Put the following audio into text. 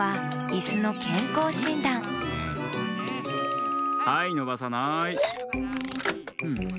だんはいのばさない。